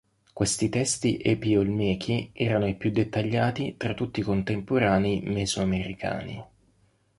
Questi testi Epi-Olmechi erano i più dettagliati tra tutti i contemporanei mesoamericani.